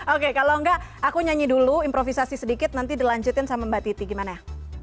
oke kalau enggak aku nyanyi dulu improvisasi sedikit nanti dilanjutin sama mbak titi gimana